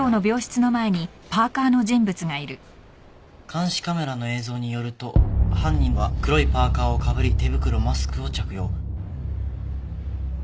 監視カメラの映像によると犯人は黒いパーカーをかぶり手袋マスクを着用